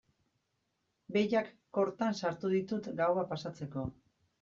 Behiak kortan sartu ditut gaua pasatzeko.